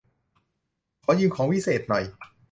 ขอยืมของวิเศษหน่อย